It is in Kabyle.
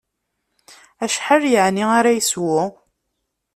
Acḥal yeɛni ara yeswu?